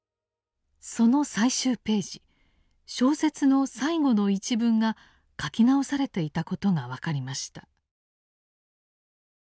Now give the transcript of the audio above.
その最終ページ小説の最後の一文が書き直されていたことが分かりました。